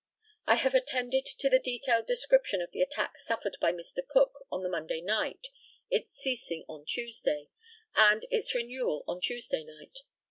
I have attended to the detailed description of the attack suffered by Mr. Cook on the Monday night, its ceasing on Tuesday, and its renewal on Tuesday night.